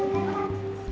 bicara sama suha